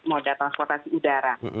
moda transportasi udara